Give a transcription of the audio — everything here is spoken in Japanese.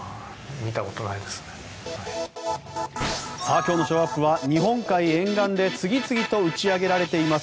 今日のショーアップは日本海沿岸で次々と打ち上げられています